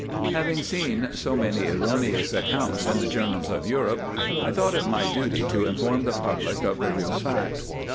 Having seen so many erroneous accounts in the journals of Europe, I thought it my duty to inform the public of the real facts.